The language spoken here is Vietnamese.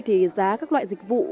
thì giá các loại dịch vụ